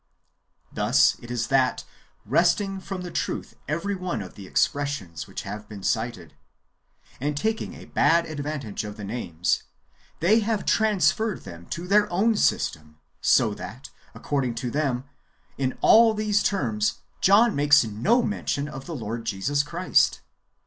Thus it is that, wresting from the truth every one of the expressions which have been cited, and taking a bad advantage of the names, they have transferred them to their own system ; so that, according to them, in all these terms John makes no mention of the Lord Jesus Christ.